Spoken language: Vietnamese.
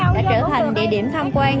đã trở thành địa điểm tham quan